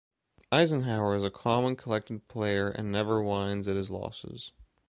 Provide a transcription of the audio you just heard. Eisenhower is a calm and collected player and never whines at his losses.